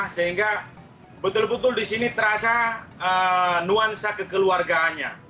sehingga betul betul di sini terasa nuansa kekeluargaannya